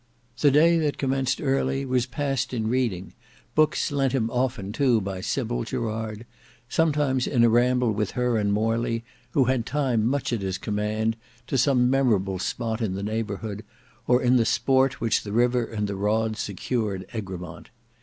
The day that commenced early, was past in reading—books lent him often too by Sybil Gerard—sometimes in a ramble with her and Morley, who had time much at his command, to some memorable spot in the neighbourhood, or in the sport which the river and the rod secured Egremont.